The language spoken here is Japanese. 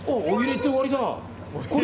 お湯入れて終わりだ。